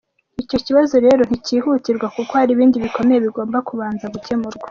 Icyo kibazo rero nticyihutirwa kuko hari ibindi bikomeye, bigomba kubanza gukemurwa.